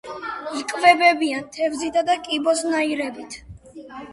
იკვებებიან თევზითა და კიბოსნაირებით.